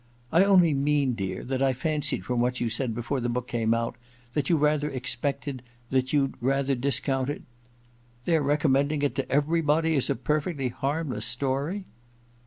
*I only mean, dear, that I fancied from what you said before the book came out — that you rather expected — that you'd rather discounted Their recommending it to everybody as a perfectly harmless story